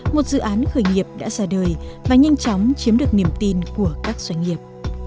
một dự án khởi nghiệp đã ra đời và nhanh chóng chiếm được niềm tin của các doanh nghiệp